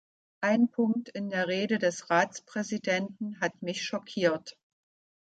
Ein Punkt in der Rede des Ratspräsidenten hat mich schockiert.